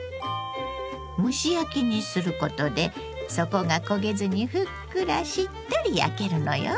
蒸し焼きにすることで底が焦げずにふっくらしっとり焼けるのよ。